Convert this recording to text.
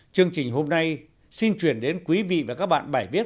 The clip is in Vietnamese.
chương trình hôm nay xin chuyển đến quý vị và các bạn bài viết